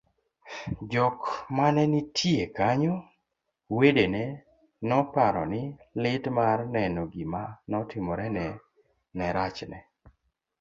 jok manenitiyie kanyo, wedene noparo ni lit mar neno gima notimorene nerachne